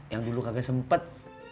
yang dulu kagak sempet